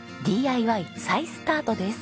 ＤＩＹ再スタートです。